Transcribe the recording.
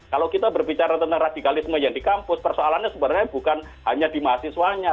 kalau kita berbicara tentang radikalisme yang di kampus persoalannya sebenarnya bukan hanya di mahasiswanya